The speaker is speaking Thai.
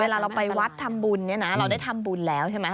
เวลาเราไปวัดทำบุญเนี่ยนะเราได้ทำบุญแล้วใช่ไหมค